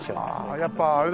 やっぱりあれだね。